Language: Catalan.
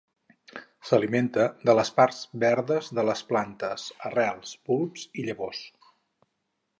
S'alimenta de les parts verdes de les plantes, arrels, bulbs i llavors.